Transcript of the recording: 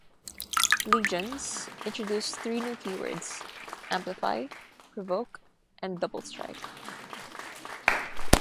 "Legions" introduced three new keywords: amplify, provoke, and double strike.